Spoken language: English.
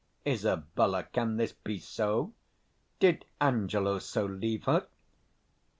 Isab. Can this be so? did Angelo so leave her?